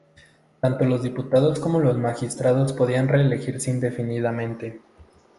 Tanto los diputados como los Magistrados podían reelegirse indefinidamente.